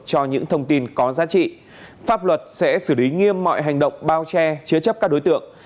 cho những thông tin có giá trị pháp luật sẽ xử lý nghiêm mọi hành động bao che chứa chấp các đối tượng